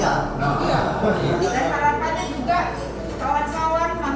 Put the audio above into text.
kami juga mencari penyelesaian untuk penyelesaian